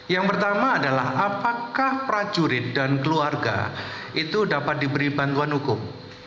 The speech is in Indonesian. yang pertama adalah apakah prajurit dan keluarga itu dapat diberi bantuan hukum